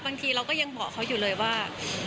บางทีเราก็ยังบอกเขาอยู่เลยว่า